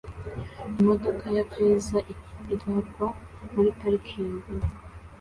Imodoka ya feza itwarwa muri parikingi